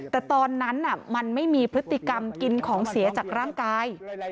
แต่ตอนนั้นมันไม่มีพฤติกรรมกินของเสียจากร่างกาย